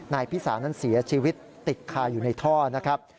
นายพิสานั้นเสียชีวิตติดคาอยู่ในท่อนะครับ